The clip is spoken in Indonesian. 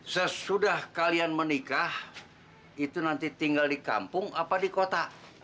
sesudah kalian menikah itu nanti tinggal di kampung apa di kota